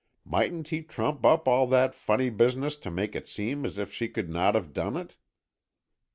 Mightn't he trump up all that funny business to make it seem as if she could not have done it?"